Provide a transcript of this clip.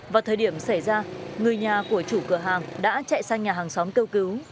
vào thời điểm xảy ra người nhà của chủ cửa hàng đã chạy sang nhà hàng xóm kêu cứu